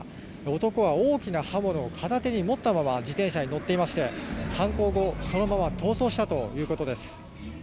男は大きな刃物を片手に持ったまま自転車に乗っていまして犯行後、そのまま逃走したということです。